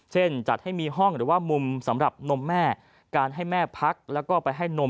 จัดให้มีห้องหรือว่ามุมสำหรับนมแม่การให้แม่พักแล้วก็ไปให้นม